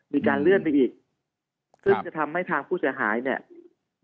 มีการเลื่อนไปอีกซึ่งจะทำให้ทางผู้เสียหายเนี่ย